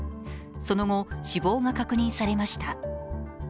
その後、死亡が確認されました。